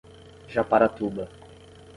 Japaratuba